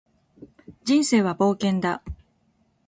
人生は冒険だ